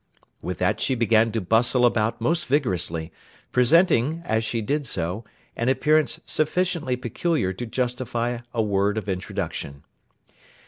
With that she began to bustle about most vigorously; presenting, as she did so, an appearance sufficiently peculiar to justify a word of introduction.